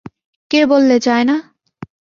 কে বললে চায় না?